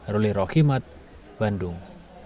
ruli rohimad bandung